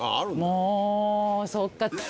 もうそっか。